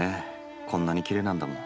こんなにきれいなんだもん。